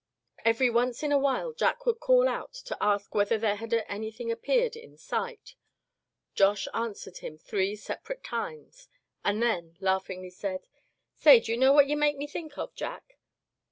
Every once in a while Jack would call out to ask whether there had anything appeared in sight. Josh answered him three separate times, and then laughingly said: "Say, d'ye know what you make me think of, Jack?